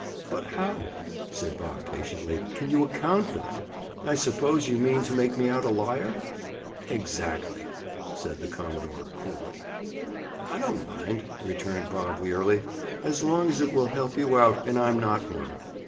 "But how," said Bob patiently, "can you 'account' for them? I suppose you mean to make me out a liar?" "Exactly," from the commodore coolly. "I don't mind," returned Bob wearily, "as long as it will help you out and I'm not one.